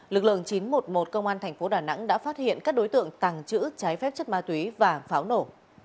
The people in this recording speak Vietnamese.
lực lượng chín trăm một mươi một công an thành phố đà nẵng đã phát hiện các đối tượng tàng trữ trái phép chất ma túy và pháo nổ